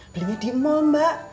belinya di mall mbak